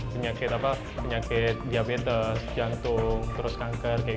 penyakit apa penyakit diabetes jantung terus kanker